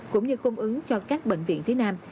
cũng như cung ứng cho các bệnh viện phía nam